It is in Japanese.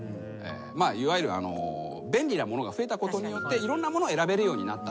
まあいわゆる便利なものが増えたことによっていろんなものを選べるようになったと。